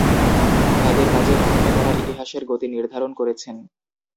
তাদের কাজের মাধ্যমে তারা ইতিহাসের গতি নির্ধারণ করেছেন।